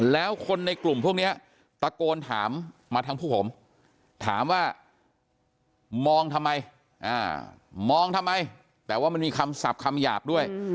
แล้วคนในกลุ่มพวกนี้ตะโกนถามมาทางพวกผมถามว่ามองทำไมมองทำไมแต่ว่ามันมีคำศัพท์คำหยาบด้วย